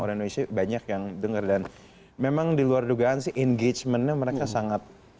orang indonesia banyak yang denger dan memang diluar dugaan sih engagementnya mereka sangat